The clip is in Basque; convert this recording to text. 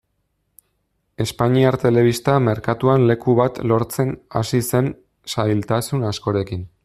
Espainiar telebista merkatuan leku bat lortzen hasi zen zailtasun askorekin.